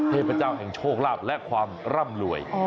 เทพเจ้าแห่งโชคลาภและความร่ำรวย